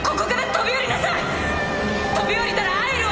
飛び降りたら会えるわよ